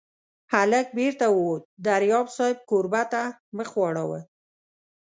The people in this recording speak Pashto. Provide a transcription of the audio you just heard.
هلک بېرته ووت، دریاب صاحب کوربه ته مخ واړاوه.